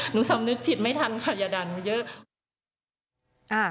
หนูซ้ำนึกผิดไม่ทันค่ะอย่าด่าหนูเยอะ